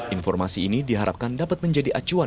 informasi ini diharapkan dapat menjadi perubahan yang lebih mudah